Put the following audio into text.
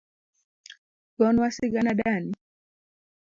Gonwa sigana dani.